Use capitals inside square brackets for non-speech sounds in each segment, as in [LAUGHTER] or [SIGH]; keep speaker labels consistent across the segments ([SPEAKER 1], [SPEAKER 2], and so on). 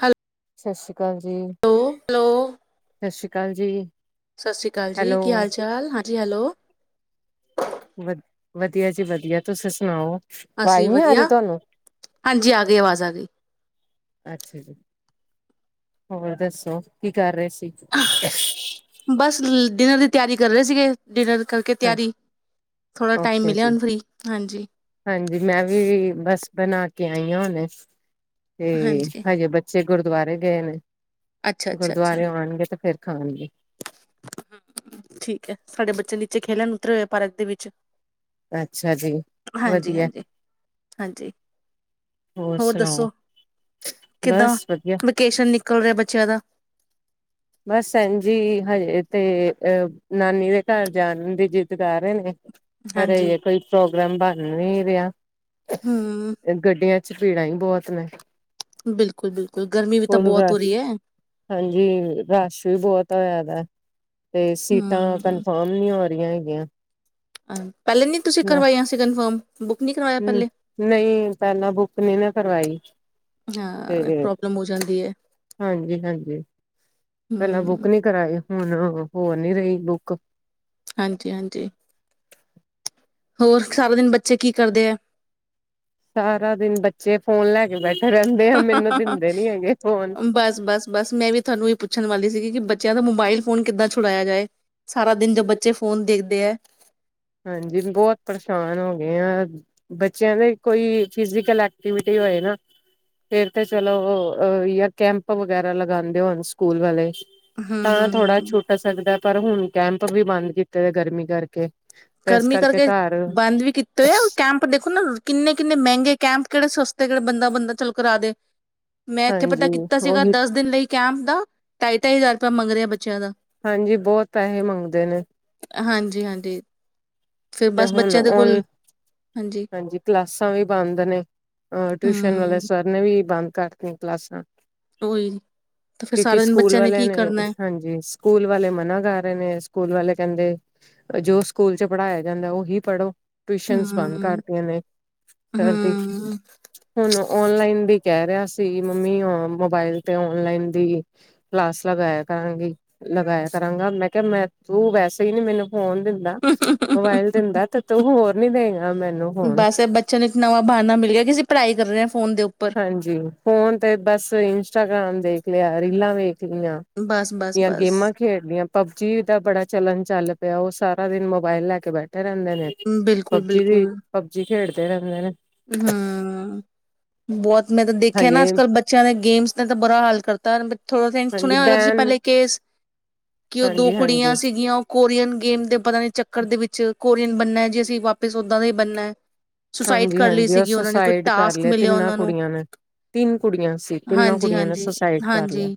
[SPEAKER 1] ਹੈਲ
[SPEAKER 2] ਸਤਿ ਸ਼੍ਰੀ ਅਕਾਲ ਜੀ ਸਤਿ ਸ਼੍ਰੀ ਅਕਾਲ ਜੀ
[SPEAKER 1] ਸਤਿ ਸ੍ਰੀ ਅਕਾਲ ਜੀ
[SPEAKER 2] ਹੈਲੋ
[SPEAKER 1] ਕੀ ਹਾਲ ਚਾਲ ਹਾਂ ਜੀ ਹੈਲੋ
[SPEAKER 2] ਵ ਵਧੀਆ ਜੀ ਵਧੀਆ ਤੁਸੀ ਸੁਣਾਓ ਆਵਾਜ਼
[SPEAKER 1] ਅਸੀਂ
[SPEAKER 2] ਨੀ ਆ ਰਹੀ
[SPEAKER 1] ਵਧੀਆ,
[SPEAKER 2] ਤੁਹਾਨੂੰ?
[SPEAKER 1] ਹਾਂਜੀ ਆ ਗਈ ਆਵਾਜ਼ ਆ ਗਈ
[SPEAKER 2] ਅੱਛਾ ਜੀ, ਹੋਰ ਦੱਸੋ ਕੀ ਕਰ ਰਹੇ ਸੀ
[SPEAKER 1] ਬਸ ਡਿਨਰ ਦੀ ਤਿਆਰੀ ਕਰ ਰਹੇ ਸੀਗੇ ਡਿਨਰ ਕਰਕੇ ਤਿਆਰੀ ਥੋੜਾ ਟਾਈਮ
[SPEAKER 2] ਓਕੇ
[SPEAKER 1] ਮਿਲਿਆ
[SPEAKER 2] ਜੀ
[SPEAKER 1] ਹੁਣ ਫਰੀ ਹਾਂਜੀ
[SPEAKER 2] ਹਾਂਜੀ ਮੈਂ ਵੀ ਬਸ ਬਣਾ ਕੇ ਕੇ ਆਈਆਂ ਹੁਣੇ ਤੇ
[SPEAKER 1] ਹਾਂਜੀ
[SPEAKER 2] ਹਜੇ ਬੱਚੇ ਗੁਰਦੁਆਰੇ ਗਏ ਨੇ ਗੁਰਦੁਆਰਿਉ ਆਉਣਗੇ ਤੇ ਫਿਰ ਖਾਣਗੇ
[SPEAKER 1] ਹ ਠੀਕ ਹੈ ਸਾਡੇ ਬੱਚੇ ਨੀਚੇ ਖੇਲਣ ਉਤਰੇ ਹੋਏ ਪਾਰਕ ਦੇ ਵਿੱਚ
[SPEAKER 2] ਅੱਛਾ, ਹਨਜੀ
[SPEAKER 1] ਹਾਂਜੀ, ਹਾਂਜੀ, ਹਾਂਜੀ ਹੋਰ ਦੱਸੋ ਕਿੱਦਾਂ
[SPEAKER 2] ਬਸ ਵਧੀਆ,
[SPEAKER 1] ਵੇਕੇਸ਼ਨ ਨਿਕਲ ਰਿਹਾ ਬੱਚਿਆਂ ਦਾ
[SPEAKER 2] ਬਸ ਇੰਝ ਹੀ ਹਜੇ ਤੇ ਅ ਨਾਨੀ ਦੇ ਘਰ ਜਾਣ ਦੀ ਜਿੱਦ ਕਰ ਰਹੇ ਨੇ ਪਰ
[SPEAKER 1] ਹਾਂਜੀ
[SPEAKER 2] ਹਜੇ ਕੋਈ ਪ੍ਰੋਗਰਾਮ ਬਣ ਨਹੀ ਰਿਹਾ
[SPEAKER 1] ਹਮ
[SPEAKER 2] ਗੱਡੀਆਂ ਚ' ਭੀੜਾਂ ਹੀ ਬਹੁਤ ਨੇ
[SPEAKER 1] ਬਿਲਕੁਲ, ਬਿਲਕੁਲ ਗਰਮੀ ਵੀ ਤਾਂ
[SPEAKER 2] ਹੁਣ
[SPEAKER 1] ਬਹੁਤ
[SPEAKER 2] ਰਸ਼,
[SPEAKER 1] ਹੋ ਰਹੀ ਹੈ
[SPEAKER 2] ਹਾਂਜੀ ਰਸ਼ ਵੀ ਬਹੁਤ ਹੋਇਆ ਦਾ ਤੇ ਸੀਟਾਂ
[SPEAKER 1] ਹਮ
[SPEAKER 2] ਕੰਨਫਰਮ ਨਹੀਂ ਹੋ ਰਹੀਆਂ [UNINTELLIGIBLE]
[SPEAKER 1] ਪਹਿਲੇ ਨੀ ਤੁਸੀਂ ਕਰਵਾਈਆਂ ਸੀ ਕੰਨਫਰਮ
[SPEAKER 2] ਹੁੰ ਨਹੀਂ, ਪਹਿਲਾਂ ਬੁੱਕ ਨੀ ਨਾ ਕਰਵਾਈ ਤੇ
[SPEAKER 1] ਹਾਂ, ਪ੍ਰੋਬਲਮ ਹੋ ਜਾਂਦੀ ਐ।
[SPEAKER 2] ਹਾਂਜੀ, ਹਾਂਜੀ ਪਹਿਲਾਂ ਬੁੱਕ
[SPEAKER 1] ਹੂੰ,
[SPEAKER 2] ਨੀ ਕਰਾਈ ਹੁਣ ਹੋ ਨਹੀਂ ਰਹੀ ਬੁੱਕ
[SPEAKER 1] ਹਾਂਜੀ, ਹਾਂਜੀ ਹੋਰ ਸਾਰਾ ਦਿਨ ਬੱਚੇ ਕੀ ਕਰਦੇ ਹੈ
[SPEAKER 2] ਸਾਰਾ ਦਿਨ ਬੱਚੇ ਫੋਨ ਲੈ ਕੇ ਬੈਠੇ ਰਹਿੰਦੇ ਆ
[SPEAKER 1] ਹ
[SPEAKER 2] ਮੈਨੂੰ
[SPEAKER 1] ਹ ਹ
[SPEAKER 2] ਦਿੰਦੇ ਨੀ ਹੈਗੇ ਫੋਨ
[SPEAKER 1] ਬਸ, ਬਸ, ਬਸ ਮੈਂ ਵੀ ਤੁਹਾਨੂੰ ਇਹ ਪੁੱਛਣ ਵਾਲੀ ਸੀਗੀ ਕਿ ਬੱਚਿਆਂ ਦਾ ਮੋਬਾਇਲ ਫੋਂਨ ਕਿੱਦਾਂ ਛੁਡਾਇਆ ਜਾਏ ਸਾਰਾ ਦਿਨ ਜ ਬੱਚੇ ਫੋਨ ਦੇਖਦੇ ਦੇ ਏ
[SPEAKER 2] ਹਾਂਜੀ, ਬਹੁਤ ਪਰੇਸ਼ਾਨ ਹੋ ਗਏ ਆ ਬੱਚਿਆਂ ਦੇ ਕੋਈ ਫੀਜੀਕਲ ਐਕਟੀਵਿਟੀ ਹੋਏ ਨਾ ਫਿਰ ਤੇ ਚਲੋ ਕੈਂਪ ਵਗੈਰਾ ਲਗਾਦੇ ਹੋਣ ਸਕੂਲ ਵਾਲੇ ਤਾਂ ਥੋੜਾ
[SPEAKER 1] ਹੂੰ-ਹੂੰ-ਹੂੰ,
[SPEAKER 2] ਛੁੱਟ ਸਕਦਾ ਪਰ ਹੁਣ ਕੈਂਪ ਵੀ ਬੰਦ ਕੀਤੇ ਹੋਇਆ ਗਰਮੀ ਕਰਕੇ ਤੇ ਇਸ
[SPEAKER 1] ਗਰਮੀ ਕਰਕੇ
[SPEAKER 2] ਘਰ
[SPEAKER 1] ਬੰਦ ਵੀ ਕੀਤੇ ਹੋਏ ਆ ਕੈਂਪ ਦੇਖੋ ਨਾ ਕਿੰਨੇ ਕਿੰਨੇ ਮਹਿੰਗੇ ਕੈਂਪ ਕਿਹੜੇ ਸਸਤੇ ਕਿਹੜੇ ਬੰਦਾ- ਬੰਦਾ ਚਾਲੂ ਕਰਾ ਦੇ ਮੈਂ ਇੱਥੇ
[SPEAKER 2] ਹਾਂਜੀ
[SPEAKER 1] ਪਤਾ ਕੀਤਾ ਸੀਗਾ
[SPEAKER 2] ਉਹੀ
[SPEAKER 1] ਦਸ ਦਿਨ ਲਈ ਕੈਮ ਦਾ ਢਾਈ- ਢਾਈ ਹਜ਼ਾਰ ਰੁਪਇਆ ਮੰਗ ਰਿਹਾ ਬੱਚਿਆਂ ਦਾ।
[SPEAKER 2] ਹਾਂਜੀ ਬਹੁਤ ਪੈਸੇ ਮੰਗਦੇ ਨੇ।
[SPEAKER 1] ਹਾਂਜੀ! ਹਾਂਜੀ!
[SPEAKER 2] ਤੇ ਹੁਣ ਹੁਣ ਹਾਂਜੀ ਕਲਾਸਾਂ ਵੀ ਬੰਦ ਨੇ ਅ ਟਿਊਸ਼ਨ ਵਾਲੇ
[SPEAKER 1] ਹੂੰ,
[SPEAKER 2] ਸਰ ਨੇ ਵੀ ਬੰਦ ਕਰਦੀ ਕਲਾਸਾਂ
[SPEAKER 1] ਉਹੀ ਤਾਂ ਫਿਰ
[SPEAKER 2] ਕਿ
[SPEAKER 1] ਸਾਰਾ ਦਿਨ
[SPEAKER 2] ਸਕੂਲ
[SPEAKER 1] ਬੱਚਿਆਂ
[SPEAKER 2] ਵਾਲਿਆਂ
[SPEAKER 1] ਕੀ
[SPEAKER 2] ਨੇ
[SPEAKER 1] ਕਰਨਾ ਹੈ
[SPEAKER 2] ਹਾਂਜੀ ਸਕੂਲ ਵਾਲੇ ਮਨਾ ਕਰ ਰਹੇ ਨੇ ਸਕੂਲ ਵਾਲੇ ਕਹਿੰਦੇ ਜੋ ਸਕੂਲ ਚ ਪੜ੍ਹਾਇਆ। ਜਾਂਦਾ ਉਹੀ ਪੜ੍ਹੋ। ਟਿਊਸ਼ਨ ਬੰਦ
[SPEAKER 1] ਹਮ
[SPEAKER 2] ਕਰਤੀਆਂ ਨੇ ਸਰ ਦੀ,
[SPEAKER 1] ਹਮ
[SPEAKER 2] ਹੁਣ ਓਨਲਾਈਨ ਦੀ ਕਹਿ ਰਿਹਾ ਸੀ, ਮੰਮੀ ਮੋਬਾਇਲ ਤੇ ਆਨਲਾਈਨ ਦੀ ਕਲਾਸ ਲਗਾਇਆ ਕਰਾਂਗੀ, ਲਗਾਇਆ ਕਰਾਂਗਾ। ਮੈਂ ਕਿਹਾ ਮੈਂ ਤੂੰ ਵੈਸੇ ਹੀ ਨੀ ਮੈਨੂੰ ਹੋਣ ਦਿੰਦਾ। ਮੋਬਾਇਲ ਦਿੰਦਾ ਤੇ ਤੂੰ ਹੋਰ ਨੀ ਦੇਗਾ। ਮੈਨੂੰ ਫੋਨ
[SPEAKER 1] ਬਸ ਬੱਚਿਆਂ ਨੂੰ ਇੱਕ ਨਵਾਂ ਬਹਾਨਾ ਮਿਲ ਗਿਆ ਕਿ ਅਸੀਂ ਪੜ੍ਹਾਈ ਕਰ ਰਹੇ ਹਾਂ ਫੋਨ ਦੇ ਉੱਪਰ
[SPEAKER 2] ਹਾਂਜੀ ਫੋਨ ਤੇ ਬਸ ਏ ਇਨਸਟਾਗਰਾਮ ਦੇਖ ਲਿਆ ਰੀਲਾ ਵੇਖ
[SPEAKER 1] ਬਸ ਬਸ
[SPEAKER 2] ਜਾਂ
[SPEAKER 1] ਬਸ
[SPEAKER 2] ਗੇਮਾਂ ਖੇਡਦੀਆਂ ਪਬਜੀ ਦਾ ਬੜਾ ਚਲਣ ਚੱਲ ਪਿਆ ਉਹ ਸਾਰਾ ਸਾਰਾ ਦਿਨ ਮੋਬਾਈਲ ਲੈ ਕੇੈ ਬੈਠ ਰਹਿੰਦੇ ਨੇ
[SPEAKER 1] ਬਿਲਕੁਲ
[SPEAKER 2] ਪਬਜੀ ਵੀ ਪਬਜੀ ਖੇਡਦੇ ਰਹਿੰਦੇ ਨੇ।
[SPEAKER 1] ਹੂੰ ਬਹੁਤ ਮੈਂ ਤਾਂ ਦੇਖਿਆ ਨਾ ਅੱਜ
[SPEAKER 2] ਹਜੇ
[SPEAKER 1] ਕੱਲ੍ਹ ਬੱਚਿਆਂ ਨੇ ਗੇਮਸ ਉਹਦਾ ਬੁਰਾ ਹਾਲ ਕਰਤਾ ਨਾ। ਥੋੜੇ ਦਿਨ
[SPEAKER 2] ਹਾਂਜੀ
[SPEAKER 1] ਸੁਣਿਆ ਹੋਏਗਾ, ਤੁਸੀਂ
[SPEAKER 2] ਬੈਨ
[SPEAKER 1] ਪਹਿਲੇ ਕੇਸ ਕਿ ਉਹ ਦੋ
[SPEAKER 2] ਹਾਂਜੀ
[SPEAKER 1] ਕੁੜੀਆਂ
[SPEAKER 2] ਹਾਂਜੀ
[SPEAKER 1] ਸੀਗੀਆਂ ਉਹ ਕੋਰੀਅਨ ਗੇਮ ਦੇ ਪਤਾ ਨੀ ਚੱਕਰ ਦੇ ਵਿੱਚ ਕੋਰੀਅਨ ਬਣਨਾ ਹੈ, ਜੇ ਅਸੀਂ ਵਾਪਿਸ ਓਦਾਂ ਦਾ ਹੀ ਬਣਨਾ ਹੈ। ਸੁਸਾਈਡ
[SPEAKER 2] ਹਾਂਜੀ
[SPEAKER 1] ਕਰ ਲਈ
[SPEAKER 2] ਉਹ
[SPEAKER 1] ਸੀਗੀ ਉਹਨਾਂ ਨੇ ਕੋਈ
[SPEAKER 2] ਸੁਸਾਇਡ ਕਰ
[SPEAKER 1] ਟਾਸਕ
[SPEAKER 2] ਲਿਆ,
[SPEAKER 1] ਮਿਲਿਆ
[SPEAKER 2] ਤਿੰਨਾਂ
[SPEAKER 1] ਉਹਨਾਂ ਨੂੰ
[SPEAKER 2] ਕੁੜੀਆਂ ਨੇ ਤਿੰਨ ਕੁੜੀਆਂ ਸੀ। ਤਿੰਨਾਂ
[SPEAKER 1] ਹਾਂਜੀ
[SPEAKER 2] ਕੁੜੀਆਂ ਨੇ
[SPEAKER 1] ਹਾਂਜੀ
[SPEAKER 2] ਸੁਸਾਇਡ ਕਰ
[SPEAKER 1] ਹਾਂਜੀ
[SPEAKER 2] ਲਿਆ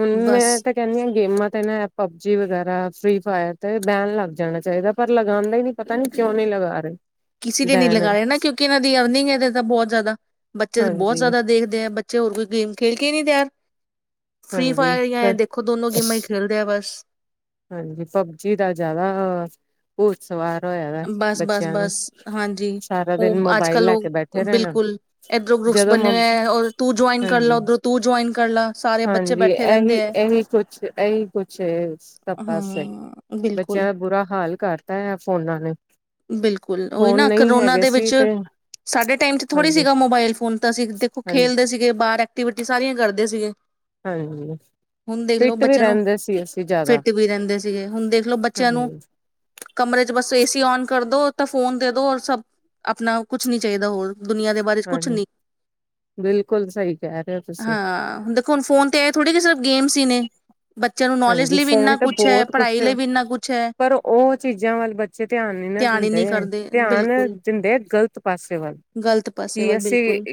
[SPEAKER 2] ਹੁਣ
[SPEAKER 1] ਬਸ
[SPEAKER 2] ਮੈਂ ਤਾਂ ਕਹਿੰਦੀ ਹ ਗੇਮਾਂ ਤੇ ਨਾ ਆਪਾਂ ਦੀ ਵਗੈਰਾ ਫਰੀ ਫਾਇਰ ਤੇ ਬੈਨ ਲੱਗ ਜਾਣਾ ਚਾਹੀਦਾ ਪਰ ਲਗਾਦੇ ਹੀ ਨੀ ਪਤਾ ਨੀ ਕਿਉਂ ਨੀ ਲਗਾ ਰਹੇ।
[SPEAKER 1] ਕਿਸੇ ਤੇ ਨਹੀਂ ਲਗਾ
[SPEAKER 2] ਬੈਨ
[SPEAKER 1] ਰਹੇ ਨਾ ਕਿਉਂਕਿ ਇਹਨਾਂ ਦੀ ਅਰਨਿੰਗ ਦੇ ਤਾਂ ਬਹੁਤ ਜ਼ਿਆਦਾ ਬੱਚੇ ਬਹੁਤ
[SPEAKER 2] ਹਾਂਜੀ
[SPEAKER 1] ਜ਼ਿਆਦਾ ਦੇਖਦੇ ਆ ਬੱਚੇ ਹੋਰ ਕੋਈ ਗੇਮ ਖੇਡ ਕੇ ਹੀ ਨਹੀ ਤਿਆਰ। ਫ੍ਰਰੀ
[SPEAKER 2] ਹਾਂਜੀ
[SPEAKER 1] ਫਾਇਰ ਜਾਂ ਦੇਖੋ ਦੋਨੋ ਗੇਮਾਂ ਹੀ ਖੇਲਦੇ ਆ ਬਸ
[SPEAKER 2] ਸਬਜੀ ਦਾ ਜਿਆਦਾ ਉਹ ਸਵਾਰ ਹੋਇਆ ਵਾ
[SPEAKER 1] ਬਸ ਬਸ
[SPEAKER 2] ਬੱਚਿਆਂ ਨੂੰ
[SPEAKER 1] ਬਸ ਹਾਂਜੀ
[SPEAKER 2] ਸਾਰਾ ਦਿਨ
[SPEAKER 1] ਉਹ ਅੱਜ
[SPEAKER 2] ਮੋਬਾਇਲ
[SPEAKER 1] ਕਲ
[SPEAKER 2] ਲੈ
[SPEAKER 1] ਉਹ
[SPEAKER 2] ਕੇ ਬੈਠੇ ਰਹਿਣਾ
[SPEAKER 1] ਬਿਲਕੁਲ ਏਧਰੋਂ ਗਰੁੱਪਸ
[SPEAKER 2] ਜਦੋਂ ਮ
[SPEAKER 1] ਬਣੇ ਹੋਏ ਹੈ ਤੂੰ ਜੁਆਇਨ ਕਰ
[SPEAKER 2] ਹਾਂਜੀ
[SPEAKER 1] ਲਾ ਉਓਧਰੋਂ ਤੂੰ ਜੁਇਨ ਕਰ ਲਾ ਸਾਰੇ ਬੱਚੇ
[SPEAKER 2] ਹਾਂਜੀ
[SPEAKER 1] ਬੈਠੇ ਰਹਿੰਦੇ
[SPEAKER 2] ਇਹੀ
[SPEAKER 1] ਹੈ
[SPEAKER 2] ਪਾਸ
[SPEAKER 1] ਹਾਂ
[SPEAKER 2] ਬੱਚਿਆਂ
[SPEAKER 1] ਬਿਲਕੁਲ
[SPEAKER 2] ਦਾ ਬੁਰਾ ਹਾਲ ਕਰਤਾ ਹੈ ਫੋਨ ਫੋਨਾਂ ਨੇ
[SPEAKER 1] ਬਿਲਕੁਲ ਉਹੀ ਨਾ
[SPEAKER 2] ਨਹੀਂ
[SPEAKER 1] ਕਰੋਨਾ
[SPEAKER 2] ਹੈਗੇ
[SPEAKER 1] ਦੇ
[SPEAKER 2] ਸੀ
[SPEAKER 1] ਵਿੱਚ
[SPEAKER 2] ਤੇ
[SPEAKER 1] ਸਾਡੇ ਟਾਈਮ ' ਥੋੜ੍ਹੀ
[SPEAKER 2] ਹਾਂਜੀ
[SPEAKER 1] ਸੀਗਾ ਮੋਬਾਇਲ ਫੋਨ ਤਾਂ ਅਸੀਂ ਦੇਖੋ
[SPEAKER 2] ਹਾਂਜੀ
[SPEAKER 1] ਖੇਲਦੇ ਸੀਗੇ ਬਾਹਰ ਐਕਟੀਵਿਟੀ ਸਾਰੀਆਂ ਕਰਦੇ ਸੀਗੇ
[SPEAKER 2] ਹਾਂਜੀ
[SPEAKER 1] ਹੁਣ ਦੇਖਲੋ
[SPEAKER 2] ਫਿੱਟ ਵੀ
[SPEAKER 1] ਬੱਚਿਆਂ ਨੂੰ
[SPEAKER 2] ਰਹਿੰਦੇ ਸੀ ਅਸੀਂ ਜ਼ਿਆਦਾ
[SPEAKER 1] ਫਿੱਟ ਵੀ ਰਹਿੰਦੇ ਸੀਗੇ ਹੁਣ ਦੇਖਲੋ ਬੱਚਿਆਂ ਨੂੰ
[SPEAKER 2] ਹਾਂਜੀ
[SPEAKER 1] ਕਮਰੇ ਬਸ ਏ ਸੀ ਔਨ ਕਰਦੋ ਤਾਂ ਫੋਨ ਦੇ ਦੋ ਔਰ ਸਭ ਆਪਣਾ ਕੁਛ ਨੀ ਚਾਹੀਦਾ ਹੋਰ ਦੁਨੀਆਂ ਦੇ ਬਾਰੇ ਕੁਛ
[SPEAKER 2] ਹਾਂਜੀ
[SPEAKER 1] ਨੀ
[SPEAKER 2] ਬਿਲਕੁਲ ਸਹੀ ਕਹਿ ਰਹੇ ਹੋ ਤੁਸੀਂ
[SPEAKER 1] ਹਾਂ ਦੇਖੋ ਹੁਣ ਫੋਨ ਤੇ ਆ ਥੋੜੇ ਜ ਸਿਰਫ ਗੇਮਸ ਹੀ ਨੇ ਬੱਚਿਆਂ ਨੂੰ ਨੌਲੇਜ
[SPEAKER 2] ਹਾਂਜੀ
[SPEAKER 1] ਲਈ ਵੀ ਇੰਨਾ
[SPEAKER 2] ਫੋਨ ਤੇ
[SPEAKER 1] ਕੁਛ ਹੈ
[SPEAKER 2] ਬਹੁਤ ਕੁਛ
[SPEAKER 1] ਪੜ੍ਹਾਈ ਲਈ ਵੀ ਇੰਨਾ ਕੁਛ ਹੈ
[SPEAKER 2] ਪਰ ਉਹ ਚੀਜ਼ਾਂ ਵੱਲ ਬੱਚੇ ਧਿਆਨ ਨੀ ਨਾ
[SPEAKER 1] ਧਿਆਨ ਹੀ
[SPEAKER 2] ਦਿੰਦੇ
[SPEAKER 1] ਨਹੀਂ
[SPEAKER 2] ਹੈ
[SPEAKER 1] ਕਰਦੇ
[SPEAKER 2] ਧਿਆਨ
[SPEAKER 1] ਬਿਲਕੁਲ
[SPEAKER 2] ਦਿੰਦੇ ਆ ਗਲਤ ਪਾਸੇ ਵੱਲ
[SPEAKER 1] ਗ਼ਲਤ ਪਾਸੇ
[SPEAKER 2] ਕਿ
[SPEAKER 1] ਵੱਲ
[SPEAKER 2] ਅਸੀਂ
[SPEAKER 1] ਬਿਲਕੁਲ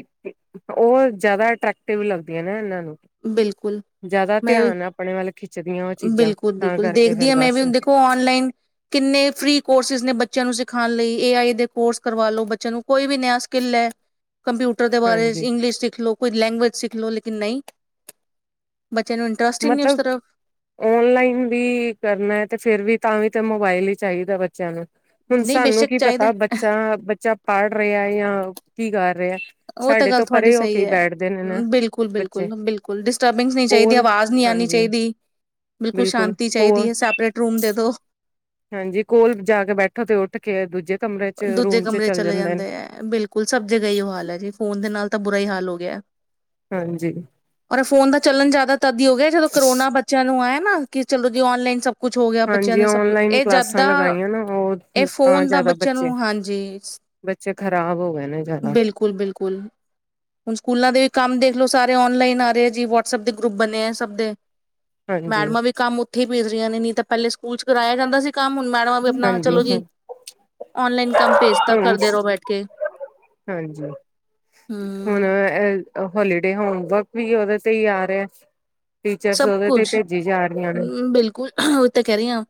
[SPEAKER 2] ਉਹ ਜ਼ਿਆਦਾ ਅਟਰੈਕਟਿਵ ਲੱਗਦੀਆਂ ਨਾ ਇਹਨਾਂ ਨੂੰ
[SPEAKER 1] ਬਿਲਕੁਲ
[SPEAKER 2] ਜ਼ਿਆਦਾ
[SPEAKER 1] ਮੈਂ ਵੀ
[SPEAKER 2] ਧਿਆਨ ਆਪਣੇ ਵੱਲ ਖਿੱਚਦੀਆਂ ਉਹ ਚੀਜ਼ਾਂ
[SPEAKER 1] ਬਿਲਕੁਲ
[SPEAKER 2] ਤਾਂ
[SPEAKER 1] ਬਿਲਕੁਲ
[SPEAKER 2] ਕਰਕੇ
[SPEAKER 1] ਦੇਖਦੀ
[SPEAKER 2] ਫੇਰ
[SPEAKER 1] ਹਾਂ ਮੈਂ ਵੀ
[SPEAKER 2] ਬਸ
[SPEAKER 1] ਹੁਣ ਦੇਖੋ ਨਲਾਈਨ ਕਿੰਨੇ ਫਰੀ ਕੋਰਸਿਸ ਨੇ ਬੱਚਿਆਂ ਨੂੰ ਸਿਖਾਉਣ ਲਈ ਏ ਆਈ ਦੇ ਕੋਰਸ ਕਰਵਾ ਲੋ ਬੱਚਿਆਂ ਨੂੰ ਕੋਈ ਵੀ ਨ ਸਕਿੱਲ ਹੈ ਕੰਪਿਊਟਰ ਦੇ ਬਾਰੇ
[SPEAKER 2] ਹਾਂਜੀ
[SPEAKER 1] ਇੰਗਲਿਸ਼ ਸਿੱਖ ਲਓ ਕੋਈ ਲੈਂਗੁਵੇਜ ਸਿੱਖ ਲੋ ਲਕਨ ਨਹੀਂ ਬੱਚਿਆਂ ਨੂੰ ਇੰਟਰਸਟ ਹੀ ਨਹੀਂ ਉਸ
[SPEAKER 2] ਮਤਲਬ
[SPEAKER 1] ਤਰਫ
[SPEAKER 2] ਓਨਲਾਈਨ ਵੀ ਕਰਨਾ ਹੈ ਤੇ ਫਿਰ ਵੀ ਤਾਂ ਵੀ ਤਾਂ ਮੋਬਾਇਲ ਹੀ ਚਾਹੀਦਾ ਬੱਚਿਆਂ ਨੂੰ ਹੁਣ
[SPEAKER 1] ਨਹੀਂ
[SPEAKER 2] ਸਾਨੂੰ
[SPEAKER 1] ਬੇਸ਼ੱਕ
[SPEAKER 2] ਕੀ ਪਤਾ
[SPEAKER 1] ਚਾਹੀਦਾ
[SPEAKER 2] ਬੱਚਾ ਬੱਚਾ ਪੜ ਰਿਹਾ ਜਾਂ ਕੀ ਕਰ ਰਿਹਾ
[SPEAKER 1] ਉਹ ਤਾਂ
[SPEAKER 2] ਸਾਡੇ
[SPEAKER 1] ਗੱਲ
[SPEAKER 2] ਤੋਂ
[SPEAKER 1] ਤੁਹਾਡੀ
[SPEAKER 2] ਪਰੇ ਹੋ
[SPEAKER 1] ਸਹੀ
[SPEAKER 2] ਕੇ
[SPEAKER 1] ਹੈ
[SPEAKER 2] ਬੈਠਦੇ ਨੇ ਨਾ
[SPEAKER 1] ਬਿਲਕੁਲ
[SPEAKER 2] ਬੱਚੇ
[SPEAKER 1] ਬਿਲਕੁਲ ਬਿਲਕੁਲ ਡਿਸਟਰਬੈਂਸ ਨਹੀਂ ਚਾਹੀਦੀ
[SPEAKER 2] ਕੋਲ
[SPEAKER 1] ਆਵਾਜ਼ ਨਹੀਂ ਆਉਣੀ
[SPEAKER 2] ਹਾਂਜੀ
[SPEAKER 1] ਚਾਹੀਦੀ ਬਿਲਕੁਲ ਸ਼ਾਂਤੀ ਚਾਹੀਦੀ ਹੈ ਸੈਪਰੇਟ ਰੂਮ ਦੇ ਦ
[SPEAKER 2] ਹਾਂਜੀ ਕੋਲ ਜਾ ਕੇ ਬੈਠੋ ਤੇ ਉੱਠ ਕੇ ਦੂਜੇ ਕਮਰੇ ਚ
[SPEAKER 1] ਦੂਜੇ
[SPEAKER 2] ਰੂਮ ਚ
[SPEAKER 1] ਕਮਰੇ
[SPEAKER 2] ਚੱਲ
[SPEAKER 1] ਚਲੇ
[SPEAKER 2] ਨੇ
[SPEAKER 1] ਜਾਂਦੇ ਹੈ ਬਿਲਕੁਲ ਸਭ ਦੇ ਗਈ ਉਹ ਹਾਲ ਹੈ ਜੀ ਫੋਨ ਦੇ ਨਾਲ ਤਾਂ ਬੁਰਾ ਹੀ ਹਾਲ ਹੋ ਗਿਆ
[SPEAKER 2] ਹਾਂਜੀ
[SPEAKER 1] ਔਰ ਫੋਨ ਦਾ ਤਾਂ ਚੱਲਣ ਜ਼ਿਆਦਾ ਤਦੀ ਹੋ ਗਿਆ ਜਦੋਂ ਕਰੋਨਾ ਬੱਚਿਆਂ ਨੂੰ ਆਇਆ ਨਾ ਕਿ ਚਲੋ ਜੀ ਔਨਲਾਈਨ ਸਭ ਕੁਝ ਹੋ ਗਿਆ ਬੱਚਿਆਂ
[SPEAKER 2] ਹਾਂਜੀ
[SPEAKER 1] ਨੇ ਸਭ ਕੁ
[SPEAKER 2] ਓਨਲਾਈਨ
[SPEAKER 1] ਇਹ ਜਦ
[SPEAKER 2] ਕਲਾਸਾਂ ਲਗਾਈਆਂ ਨਾ ਉਹ ਤਾਂ ਜ਼ਿਆਦਾ
[SPEAKER 1] ਚਲੋ ਹਾਂਜੀ
[SPEAKER 2] ਚ ਖਰਾਬ ਹੋ ਗਏ ਨੇ ਜ਼ਿਆਦਾ
[SPEAKER 1] ਬਿਲਕੁੱਲ ਬਿਲਕੁੱਲ ਹੁਣ ਸਕੂਲਾਂ ਦੇ ਵੀ ਕੰਮ ਦੇਖਲਓ ਸਾਰੇ ਔਨਲਾਈਨ ਨ ਆ ਰਿਹਾ ਜੀ ਵਟਸਐਪ ਦੇ ਗਰੁੱਪ ਬਣੇ ਐ ਸਭ ਦੇ
[SPEAKER 2] ਹਾਂਜੀ
[SPEAKER 1] ਮੈਡਮਾਂ ਵੀ ਕੰਮ ਉੱਥੇ ਹੀ ਭੇਜ ਰਹੀਆਂ ਨੇ ਨਹੀਂ ਤਾਂ ਪਹਿਲੇ ਕਰਾਇਆ ਜਾਂਦਾ ਸੀ ਕੰਮ ਹੁਣ ਮੈਡਮ ਵੀ ਆਪਣਾ
[SPEAKER 2] ਹਾਂਜੀ
[SPEAKER 1] ਚਲੋ
[SPEAKER 2] ਹ
[SPEAKER 1] ਜੀ ਔਨਲਾਈਨ ਕੰਮ ਭੇਜ ਤਾਂ
[SPEAKER 2] ਹੁਣ
[SPEAKER 1] ਕਰਦੇ ਰਹੋ ਬੈਠ ਕੇ
[SPEAKER 2] ਹਾਂਜੀ ਹੁਣ
[SPEAKER 1] ਹੂੰ
[SPEAKER 2] ਅ ਹੋਲੀਡੇ ਹੋਮਵਰਕ ਵੀ ਉਹਦੇ ਤੇ ਹੀ ਆ ਰਿਆ
[SPEAKER 1] ਸਭ ਕੁਝ ਬਿਲਕੁਲ ਉਹੀ ਤਾਂ ਕਹਿ ਰਹੀ ਆ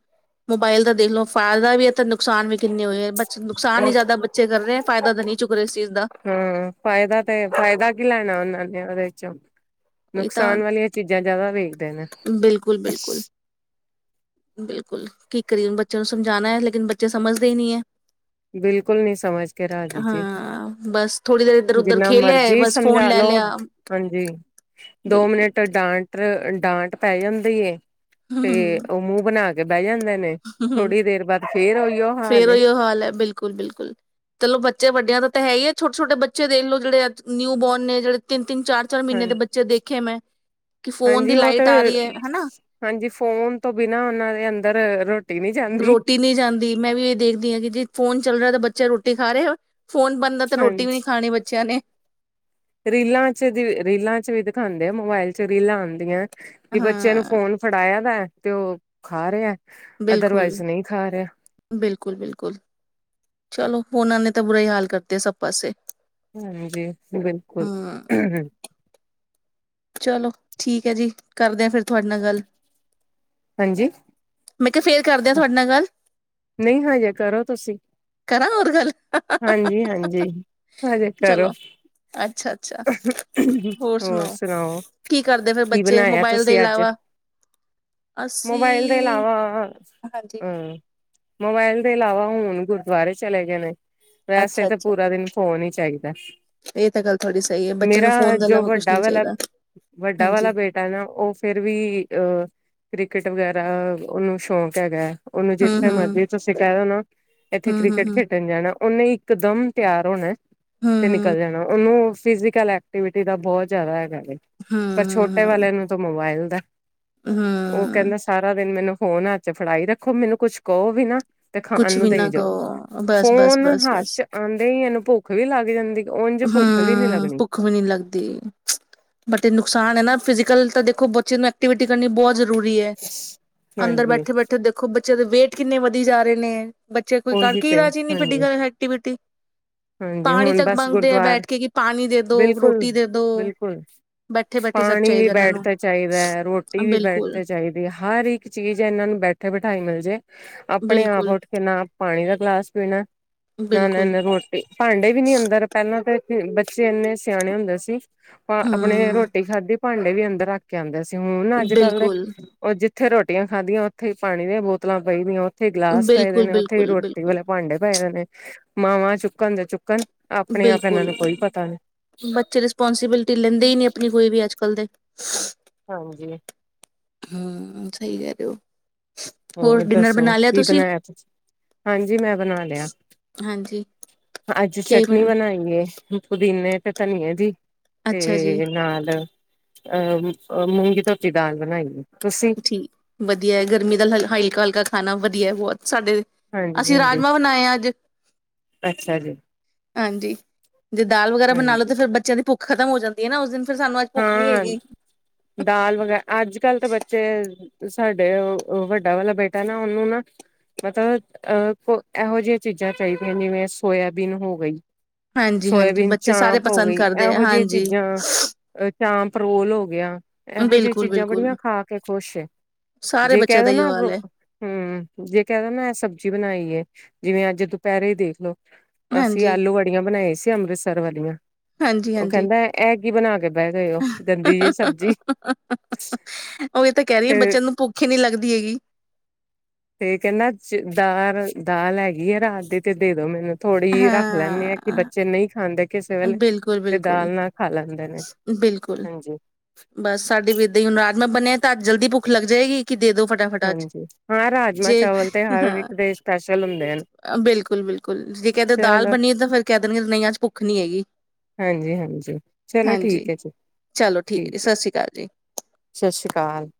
[SPEAKER 1] ਮੋਬਾਇਲ ਦਾ ਦੇਖ ਲੋ ਫ਼ਾਇਦਾ ਵੀ ਹੈ ਨੁਕਸਾਨ ਵੀ ਕਿੰਨੇ ਹੋਏ ਹੋਏ ਬਚ ਨੁਕਸਾਨ ਹੀ ਜ਼ਿਆਦਾ ਬੱਚੇ ਕਰ ਰਹੇ ਐ ਫਾਇਦਾ ਤਾਂ ਨੀ ਚੁੱਕ ਰਹੇ ਇਸ ਚੀਜ
[SPEAKER 2] ਹੂੰ ਫਾਇਦਾ ਤੇ ਫਾਇਦਾ ਕੀ ਲੈਣਾ ਉਹਨਾਂ ਨੇ ਉਹਦੇ ਚ ਨੁਕਸਾਨ ਵਾਲੀਆਂ ਚੀਜ਼ਾਂ ਜ਼ਿਆਦਾ ਦੇ
[SPEAKER 1] ਬਿਲਕੁੱਲ-ਬਿਲਕੁੱਲ ਬਿਲਕੁੱਲ ਕੀ ਕਰੀਏ ਹੁਣ ਬੱਚਿਆਂ ਨੂੰ ਸਮਝਾਉਣਾ ਐ ਲੇਕਿਨ ਬੱਚੇ ਸਮਝਦੇ ਹੀ ਨਈ ਐ
[SPEAKER 2] ਬਿਲਕੁੱਲ ਨੀ ਸਮਝ ਕੇ ਰਾਜੀ ਜੀ
[SPEAKER 1] ਹਾਂ ਬਸ ਥੋੜੀ ਦੇਰ ਇੱਧਰ ਉਧਰ
[SPEAKER 2] ਜਿੰਨਾ
[SPEAKER 1] ਖੇਲਿਆ ਹੈ
[SPEAKER 2] ਮਰਜ਼ੀ
[SPEAKER 1] ਬਸ ਫੋਨ
[SPEAKER 2] ਸਮਝਾ
[SPEAKER 1] ਲੈ
[SPEAKER 2] ਲੋ
[SPEAKER 1] ਲਿਆ
[SPEAKER 2] ਹਾਂਜੀ ਦੋ
[SPEAKER 1] ਬਿਲਕੁਲ
[SPEAKER 2] ਮਿੰਟ ਡਾਂਟ ਡਾਂਟ ਪੈ ਜਾਂਦੀ ਏ ਤੇ
[SPEAKER 1] ਹਮ
[SPEAKER 2] ਉਹ ਮੂੰਹ ਬਣਾ ਕੇ ਬੈ ਜਾਂ ਦੇ ਨੇ ਥੋੜ੍ਹੀ ਦੇਰ ਬਾਅਦ ਫੇਰ ਉਈਓ ਹਾਲ ਏ
[SPEAKER 1] ਬਿਲਕੁੱਲ ਬਿਲਕੁੱਲ ਚਲੋ ਬੱਚੇ ਵੱਡਿਆਂ ਦਾ ਤਾਂ ਹੈ ਈ ਐ ਛੋਟੇ -ਛੋਟੇ ਬੱਚੇ ਦੇਖਲੋ ਜਿਹੜੇ ਅੱਜ ਨਿਊਬੋਰਨ ਨੇ ਜਿਹੜੇ ਤਿੰਨ ਤਿੰਨ ਚਾਰ ਚਾਰ
[SPEAKER 2] ਹਾਂ
[SPEAKER 1] ਮਹੀਨੇ ਦੇ ਬੱਚੇ ਦੇਖੇ ਮੈਂ ਕਿ ਫੋਨ
[SPEAKER 2] ਹਾਂਜੀ
[SPEAKER 1] ਦੀ
[SPEAKER 2] ਉਹ ਤੇ
[SPEAKER 1] ਲਾਈਟ ਆ ਰਹੀ ਹੈ ਹਨਾ
[SPEAKER 2] ਹਾਂਜੀ ਫੋਨ ਤੋਂ ਬਿਨਾਂ ਉਹਨਾਂ ਦੇ ਅੰਦਰ ਰੋ
[SPEAKER 1] ਰੋਟੀ ਨੀ ਜਾਂਦੀ ਮੈਂ ਵੀ ਇਹ ਦੇਖਦੀ ਹਾਂ ਕੀ ਜੇ ਫੋਨ ਚੱਲ ਰਿਹਾ ਤਾਂ ਬੱਚੇ ਰੋਟੀ ਖਾ ਰਿਹਾ ਫੋਨ ਬੰਦ ਆ ਤਾਂ ਰੋਟੀ ਵੀ ਨੀ
[SPEAKER 2] ਹਾਂਜੀ
[SPEAKER 1] ਖਾਣੀ ਬੱਚਿਆਂ ਨੇ
[SPEAKER 2] ਰੀਲਾਂ ਚ ਵੀ ਰੀਲਾਂ ਚ ਵੀ ਦਿਖਾਉਂਦੇ ਆ ਮੋਬਾਇਲ ਚ ਰੀਲਾਂ ਆਉਂਦੀਆਂ ਵੀ ਬੱਚਿਆਂ ਨੂੰ
[SPEAKER 1] ਹਾਂ
[SPEAKER 2] ਫੋਨ ਫੜਾਇਆ ਦਾ ਤੇ ਉਹ ਖਾ ਰਿਆ
[SPEAKER 1] ਬਿਲਕੁੱਲ-ਬਿਲਕੁੱਲ-ਬਿਲਕੁੱਲ ਚਲੋ ਉਹਨਾਂ ਨੇ ਤਾਂ ਬੁਰਾ ਹੀ ਹਾਲ ਕਰਤੇ ਸਭ ਪਾਸੇ
[SPEAKER 2] ਹਾਂਜੀ ਬਿਲਕੁੱਲ।
[SPEAKER 1] ਹਮ ਚਲੋ ਠੀਕ ਹੈ ਜੀ ਕਰਦੇ ਆ ਫਿਰ ਤੁਹਾਡੇ ਨਾਲ ਗੱਲ
[SPEAKER 2] ਹਾਂਜੀ
[SPEAKER 1] ਮੈਂ ਕਿਹਾ ਫੇਰ ਕਰਦਿਆਂ ਤੁਹਾਡੇ ਨਾਲ ਗੱਲ
[SPEAKER 2] ਨਹੀਂ ਹਜੇ ਕਰੋ ਤੁਸੀਂ
[SPEAKER 1] ਕਰਾਂ ਹੋਰ ਗੱਲ
[SPEAKER 2] ਹਾਂਜੀ-ਹਾਂਜੀ ਹਜੇ ਕਰੋ
[SPEAKER 1] ਚਲੋ ਅੱਛਾ ਅੱਛਾ
[SPEAKER 2] ਹੋਰ ਸੁਣਾਓ
[SPEAKER 1] ਕੀ ਕਰਦੇ ਫੇਿਰ
[SPEAKER 2] ਕੀ
[SPEAKER 1] ਬੱਚੇ
[SPEAKER 2] ਬਣਾਇਆ
[SPEAKER 1] ਮੋਬਾਇਲ ਦੇ
[SPEAKER 2] ਤੁਸੀਂ ਅੱਜ
[SPEAKER 1] ਇਲਾਵਾ ਅਸੀਂ ਹਾਂਜੀ
[SPEAKER 2] ਹਾਂ। ਮੋਬਾਇਲ ਦੇ ਇਲਾਵਾ ਹੁਣ ਗੁਰਦੁਆਰੇ ਚਲੇ ਗਏ ਨੇ ਵੈਸੇ
[SPEAKER 1] ਅੱਛਾ
[SPEAKER 2] ਤਾਂ
[SPEAKER 1] ਅੱਛਾ
[SPEAKER 2] ਪੂਰਾ ਦਿਨ ਫੋਨ ਵਿੱਚ [UNINTELLIGIBLE]
[SPEAKER 1] ਇਹ ਤਾਂ ਗੱਲ ਤੁਹਾਡੀ ਸਹੀ ਹੈ ਬੱਚੇ ਨੂੰ
[SPEAKER 2] ਮੇਰਾ
[SPEAKER 1] ਫੋਨ ਦੇ
[SPEAKER 2] ਜੋ
[SPEAKER 1] ਇਲਾਵਾ ਕੁਛ
[SPEAKER 2] ਵੱਡਾ
[SPEAKER 1] ਨਹੀਂ
[SPEAKER 2] ਵਾਲਾ
[SPEAKER 1] ਚਾਹੀਦਾ
[SPEAKER 2] ਵੱਡਾ
[SPEAKER 1] ਹਾਂਜੀ
[SPEAKER 2] ਵਾਲਾ ਬੇਟਾ ਨਾ ਉਹ ਫੇਿਰ ਵੀ ਅਹ ਕ੍ਰਿਕਟ ਵਗੈਰਾ ਉਹਨੂੰ ਸ਼ੌਂਕ ਹੈਗਾ ਉਹਨੂੰ
[SPEAKER 1] ਹੂੰ
[SPEAKER 2] ਹੈ
[SPEAKER 1] ਹੂੰ
[SPEAKER 2] ਮਾਤੇ ਤੁਸੀਂ ਕਹਿਹੇਓ ਨਾ ਇੱਥੇ
[SPEAKER 1] ਹੂੰ ਹੂੰ
[SPEAKER 2] ਕ੍ਰਿਕਟ
[SPEAKER 1] ਹੂੰ
[SPEAKER 2] ਖੇਡਣ ਜਾਣਾ ਉਹਨੇ ਇਕ ਦਮ ਤਿਆਰ ਹੋਣਾ ਤੇ
[SPEAKER 1] ਹੂੰ
[SPEAKER 2] ਨਿਕਲ ਜਾਣਾ ਉਹਨੂੰ ਫਿਜ਼ੀਕਲ ਐਕਟੀਵਿਟੀ ਦਾ ਬਹੁਤ ਜ਼ਿਆਦਾ ਹੈਗਾ ਪਰ ਛੋਟੇ
[SPEAKER 1] ਹੂੰ
[SPEAKER 2] ਵਾਲਿਆਂ ਨੂੰ ਤਾਂ ਮੋਬਾਇਲ ਦਾ ਉਹ
[SPEAKER 1] ਹੂੰ
[SPEAKER 2] ਕਹਿੰਦਾ ਸਾਰਾ ਦਿਨ ਮੈਨੂੰ ਫੋਨ ਹ ਚ ਫੜਾਈ ਰੱਖੋ ਮੈਨੂੰ ਕੁੱਛ ਕਹੋ ਵੀ ਨਾ ਤੇ ਖਾਣ
[SPEAKER 1] ਕੁਛ
[SPEAKER 2] ਨੂੰ
[SPEAKER 1] ਵੀ
[SPEAKER 2] ਦੇਈ
[SPEAKER 1] ਨਾ
[SPEAKER 2] ਜਾਓ
[SPEAKER 1] ਕਹੋ ਬਸ ਬਸ
[SPEAKER 2] ਫੋਨ
[SPEAKER 1] ਬਸ
[SPEAKER 2] ਹੱਥ ਚ ਆਉਂਦੇ ਹੀ ਇਹਨੂੰ ਭੁੱਖ ਵੀ ਲੱਗ ਜਾਂਦੀ ਉੰਝ ਭੁੱਖ ਵੀ ਨੀ
[SPEAKER 1] ਹਾਂ
[SPEAKER 2] ਲੱਗਣੀ
[SPEAKER 1] ਭੁੱਖ ਵੀ ਨੀ ਲੱਗਦੀ ਬਟ ਐ ਨੁਕਸਾਨ ਹੈ ਨਾ ਫਿਜੀਕ ਕੱਲ ਤਾਂ ਦੇਖੋ ਬੱਚੇ ਨੂੰ ਐਕਟੀਵਿਟੀ ਕਰਨੀ ਬਹੁਤ ਜ਼ਰੂਰੀ ਜ਼ਰੂਰੀ ਹੈ ਅੰਦਰ
[SPEAKER 2] ਹਾਂਜੀ
[SPEAKER 1] ਬੈਠੇ ਬੈਠੇ ਦੇਖੋ ਬੱਚਿਆਂ ਦੇ ਵੇਟ ਕਿੰਨੇ ਵਧੀ ਜਾ ਰਹੇ ਨੇ ਬੱਚੇ ਕੋਈ
[SPEAKER 2] ਉਹੀ
[SPEAKER 1] ਕਰਕੇ ਇ
[SPEAKER 2] ਤੇ
[SPEAKER 1] ਰਾਜੀ ਨੀ
[SPEAKER 2] ਹਾਂਜੀ
[SPEAKER 1] ਫਿਜੀਕਲ ਐਕਟੀਵਿਟੀ
[SPEAKER 2] ਹਾਂਜੀ
[SPEAKER 1] ਪਾਣੀ
[SPEAKER 2] ਹੁਣ
[SPEAKER 1] ਤੱਕ
[SPEAKER 2] ਬਸ
[SPEAKER 1] ਮੰਗਦੇ ਆ
[SPEAKER 2] ਗੁਰਦੁਆਰ
[SPEAKER 1] ਬੈਠ ਕੇ ਕਿ ਪਾਣੀ ਦੇ ਦੋ ਰੋਟੀ ਦੇ ਦੋ
[SPEAKER 2] ਬਿਲਕੁਲ-ਬਿਲਕੁਲ
[SPEAKER 1] ਬੈਠੇ ਬੈਠੇ ਸਭ
[SPEAKER 2] ਪਾਣੀ ਵੀ
[SPEAKER 1] ਚਾਹੀਦਾ ਇਹਨਾਂ
[SPEAKER 2] ਬੈਠ
[SPEAKER 1] ਨੂੰ
[SPEAKER 2] ਤੇ ਚਾਹੀਦਾ ਹੈ ਰੋਟੀ ਵੀ ਬੈਠ
[SPEAKER 1] ਬਿਲਕੁਲ
[SPEAKER 2] ਤੇ ਚਾਹੀਦੀ ਹੈ ਹਰ ਇੱਕ ਚੀਜ਼ ਇਹਨਾਂ ਨੂੰ ਬੈਠੇ ਬਿਠਾਈ ਮਿਲ ਜੇ ਆਪਣੇ ਆਪ
[SPEAKER 1] ਬਿਲਕੁਲ
[SPEAKER 2] ਉੱਠ ਕੇ ਨਾ ਪਾਣੀ ਦਾ ਗਲਾਸ ਪੀਣਾ ਨਾ
[SPEAKER 1] ਬਿਲਕੁਲ
[SPEAKER 2] ਲੈਨਾ ਰੋ ਭਾਂਡੇ ਵੀ ਨੀ ਅੰਦਰ ਪਹਿਲਾਂ ਤੇ ਹੂੰ, ਬੱਚੇ ਇੰਨੇ ਸਿਆਣੇ ਹੁੰਦੇ ਸੀ। ਉਹ ਆਪਣੇ
[SPEAKER 1] ਹਮ
[SPEAKER 2] ਰੋਟੀ ਖਾਧੀ। ਭਾਂਡੇ ਵੀ ਅੰਦਰ ਰੱਖ ਕੇ ਆਉਂਦੇ ਸੀ। ਹੁਣ ਅੱਜ ਕੱਲ
[SPEAKER 1] ਬਿਲਕੁਲ
[SPEAKER 2] ਤੇ, ਉਹ ਜੀ ਉੱਥੇ ਰੋਟੀਆਂ ਖਾਧਦੀਆਂ ਉੱਥੇ ਹੀ ਪਾਣੀ ਦੀਆਂ ਬੋਤਲਾਂ ਪਈਦੀਆਂ ਓ ਉੱਥੇ ਹੀ ਗਿਲਾਸ ਪਏਦੇ
[SPEAKER 1] ਬਿਲਕੁਲ
[SPEAKER 2] ਨੇ, ਉੱਥੇ ਹੀ
[SPEAKER 1] ਬਿਲਕੁਲ
[SPEAKER 2] ਰੋਟੀ
[SPEAKER 1] ਬਿਲਕੁਲ
[SPEAKER 2] ਵਾਲੇ ਭਾਂਡੇ ਪਏਦੇ ਨੇ। ਮਾਵਾਂ ਚੁੱਕ ਚੁੱਕਣ ਤੇ ਚੁੱਕਣ। ਆਪਣੇ ਆਪ ਇਹਨਾਂ
[SPEAKER 1] ਬਿਲਕੁਲ,
[SPEAKER 2] ਨੂੰ ਕੋਈ ਪਤਾ ਨੀ
[SPEAKER 1] ਬੱਚੇ ਰਿਸਪੋਂਸੀਬਿਲਿਟੀ ਲੈਂਦੇ ਹੀ ਨਹੀਂ ਆਪਣੀ ਕੋਈ ਵੀ ਅੱਜ ਕੱਲ ਦੇ। ਸ।
[SPEAKER 2] ਹਾਂਜੀ।
[SPEAKER 1] ਹਮ ਸਹੀ ਕਹਿ ਰਹੇ ਹੋ।
[SPEAKER 2] ਹੋਰ
[SPEAKER 1] ਡਿਨਰ
[SPEAKER 2] ਦੱਸੋ
[SPEAKER 1] ਬਣਾ ਲਿਆ
[SPEAKER 2] ਕੀ ਬਣਾਇਆ ਤੁਸੀਂ। ਹਾਂਜੀ ਮੈਂ ਬਣਾ ਲਿਆ।
[SPEAKER 1] ਹਾਂਜੀ
[SPEAKER 2] ਅੱਜ
[SPEAKER 1] ਕੀ
[SPEAKER 2] ਚਟਨੀ
[SPEAKER 1] ਬਣਾ
[SPEAKER 2] ਬਣਾਈ ਏ। ਪੁਦੀਨੇ ਤੇ ਧਨੀਏ ਦੀ।
[SPEAKER 1] ਅੱਛਾ ਜੀ,
[SPEAKER 2] ਤੇਰੇ ਨਾਲ। ਅਹ ਅ ਮੂੰਗੀ ਥੋਤੀ ਦਾਲ ਬਣਾਈ ਏ। ਤੁਸੀਂ
[SPEAKER 1] ਠੀਕ ਵਧੀਆ ਗਰਮੀ ਦੇ ਨਾਲ ਹਾਈ ਹਲਕਾ ਖਾਣਾ ਵਧੀਆ ਬਹੁਤ। ਸਾਡੇ,
[SPEAKER 2] ਹਾਂਜੀ
[SPEAKER 1] ਅਸੀਂ
[SPEAKER 2] ਹਾਂਜੀ
[SPEAKER 1] ਰਾਜਮਾਂ ਬਣਾਏ ਆ ਅੱਜ।
[SPEAKER 2] ਅੱਛਾ ਜੀ
[SPEAKER 1] ਹਾਂਜੀ, ਜੇ ਦਾਲ ਵਗੈਰਾ ਬਣਾ ਲੋ
[SPEAKER 2] ਹਾਂਜੀ
[SPEAKER 1] ਤੇ ਫਿਰ ਬੱਚਿਆਂ ਦੀ ਭੁਖ ਖ਼ਤਮ ਹੋ ਜਾਂਦੀ ਏ ਨਾ ਉਸ ਦਿਨ। ਫਿਰ ਸਾਨੂੰ ਅੱਜ ਭੁੱਖ ਨੀ
[SPEAKER 2] ਹਾਂ,
[SPEAKER 1] ਹੈਗੀ
[SPEAKER 2] ਦਾਲ ਵਗੈ ਅੱਜ ਚੱਲ ਤੇ ਬੱਚੇ, ਸਾਡੇ ਵੱਡਾ ਵਾਲਾ ਬੇਟਾ ਨਾ ਉਹਨੂੰ ਨਾ ਮਤਲਬ ਅਹ ਇਹੋ ਜਿਹੀਆਂ ਚੀਜ਼ਾਂ ਚਾਹੀਦੀਆਂ। ਜਿਵੇਂ ਸੋਯਬੀਨ ਹੋ ਗਈ।
[SPEAKER 1] ਹਾਂਜੀ, ਹਾਂਜੀ
[SPEAKER 2] ਸੋਇਆਬੀਨ
[SPEAKER 1] ਬੱਚੇ ਸਾਰੇ
[SPEAKER 2] ਚਾਂਪ ਹੋ
[SPEAKER 1] ਪਸੰਦ
[SPEAKER 2] ਗਈ
[SPEAKER 1] ਕਰਦੇ ਹੈ
[SPEAKER 2] ਇਹੋ ਜਿਹੀਆਂ
[SPEAKER 1] ਹਾਂਜੀ।
[SPEAKER 2] ਚੀਜ਼ਾਂ
[SPEAKER 1] ਸਾ
[SPEAKER 2] ਚਾਂਪ ਰੋਲ ਹੋ ਗਿਆ। ਇਹੋ ਜਿਹੀਆਂ ਚੀਜ਼ਾਂ ਬੜੀਆਂ
[SPEAKER 1] ਬਿਲਕੁਲ-ਬਿਲਕੁਲ
[SPEAKER 2] ਖਾ ਕੇ ਖੁਸ਼ ਏ।
[SPEAKER 1] ਸਾਰੇ
[SPEAKER 2] ਜੇ ਕਹਿ
[SPEAKER 1] ਬੱਚਿਆਂ ਦਾ
[SPEAKER 2] ਦੋ ਨਾ,
[SPEAKER 1] ਇਹੀਓ ਹਾਲ ਹੈ
[SPEAKER 2] ਹਮ ਜੇ ਕਹਿ ਦੋ ਨਾ ਇਹ ਸਬਜ਼ੀ ਬਣਾਈ ਏ ਜਿਵੇਂ ਅੱਜ ਦੁਪਹਿਰੇ ਹੀ ਦੇਖਲੋ। ਅਸੀਂ
[SPEAKER 1] ਹਾਂਜੀ,
[SPEAKER 2] ਆਲੂ ਵਡਿਆ ਬਣਾਏ ਸੀ। ਕੇ ਅੰਮ੍ਰਿਤਸਰ ਵਾਲੀਆਂ। ਉਹ
[SPEAKER 1] ਹਾਂਜੀ-ਹਾਂਜੀ।
[SPEAKER 2] ਕਹਿੰਦਾ ਐਗ ਹੀ ਬਣਾ ਕੇ ਕਹਿ ਗਈ ਓ, ਗੰਦੀ ਜਿਹੀ ਸਬਜ਼ੀ
[SPEAKER 1] ਉਹੀ ਤਾਂ ਕਹਿ ਰਹੀ ਹੈ,
[SPEAKER 2] ਤੇ,
[SPEAKER 1] ਬੱਚਿਆਂ ਨੂੰ ਭੁੱਖ ਹੀ ਨੀ ਲੱਗਦੀ ਹੈਗੀ
[SPEAKER 2] ਤੇ ਕਹਿੰਦਾ ਦਾਲ ਅ ਦਾਲ ਹੈਗੀ। ਗੀ ਹੈ ਰਾਤ ਦੀ, ਤੇ ਦੇ ਦੋ ਮੈਨੂੰ। ਥੋੜੀ ਹੀ ਰੱਖ ਲੈਂਦੇ ਆਾਂ ਕਿ
[SPEAKER 1] ਹਾਂ
[SPEAKER 2] ਬੱਚੇ ਨਹੀਂ ਖਾਂਦੇ ਕਿਸੇ ਵੇਲੇ ਤੇ
[SPEAKER 1] ਬਿਲਕੁਲ-ਬਿਲਕੁਲ,
[SPEAKER 2] ਦਾਲ
[SPEAKER 1] ਬਿਲਕੁਲ
[SPEAKER 2] ਨਾਲ ਖਾ ਲੈਂਦੇ ਨੇ
[SPEAKER 1] ਬਿਲਕੁਲ
[SPEAKER 2] ਹਾਂਜੀ
[SPEAKER 1] ਬਸ ਸਾਡੇ ਵੀ ਰਾਜਮਾ ਬਣਿਆ ਤਾਂ ਜਲਦੀ ਭੁੱਖ ਲੱਗ ਜਾਏਗੀ ਕਿ ਦੇ ਦੋ ਫਟਾਫਟਾ
[SPEAKER 2] ਹਾਂਜੀ ਹਾਂ ਰਾਜਮਾਂ
[SPEAKER 1] ਜੇ
[SPEAKER 2] ਚਾਵਲ ਤੇ ਹਰ
[SPEAKER 1] ਹਾਂ
[SPEAKER 2] ਇੱਕ ਦੇ ਸਪੈਸ਼ਲ ਹੁੰਦੇ ਹਨ
[SPEAKER 1] ਬਿਲਕੁਲ ਬਿਲਕੁਲ ਜੇ ਕਹਿ ਅੱਜ ਦਾਲ
[SPEAKER 2] ਚਲੋ
[SPEAKER 1] ਬਣੀ ਤਾਂ ਫਿਰ ਕਹਿ ਦੇਣਗੇਆਂ ਕੀ ਭੁੱਖ ਨਹੀਂ ਹੈਗੀ
[SPEAKER 2] ਹਾਂਜੀ ਹਾਂਜੀ ਚਲੋ
[SPEAKER 1] ਹਾਂਜੀ
[SPEAKER 2] ਠੀਕ ਹੈ ਜੀ
[SPEAKER 1] ਚਲੋ
[SPEAKER 2] ਠੀਕ
[SPEAKER 1] ਜੀ
[SPEAKER 2] ਹੈ
[SPEAKER 1] ਸਤਿ ਸ਼੍ਰੀ ਅਕਾਲ ਜੀ
[SPEAKER 2] ਸਤਿ ਸ੍ਰੀ ਅਕਾਲ